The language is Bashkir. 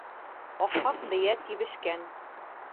Аҡһаҡ бейә тибешкән.